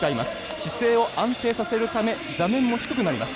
姿勢を安定させるために座面も低くなります。